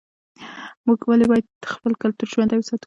ولې باید موږ خپل کلتور ژوندی وساتو؟